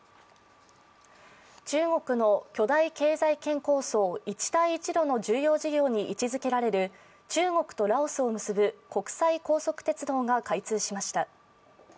中国の巨大経済圏構想、一帯一路の重要事業に位置づけられる中国とラオスを結ぶ国際高速鉄道が開通しました。